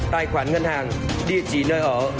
tài khoản ngân hàng địa chỉ nơi ở